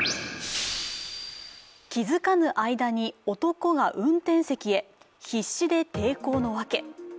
気づかぬ間に男が運転席へ必死で抵抗のわけ。